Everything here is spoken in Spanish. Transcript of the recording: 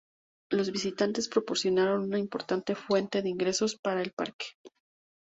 Los visitantes proporcionan una importante fuente de ingresos para el parque.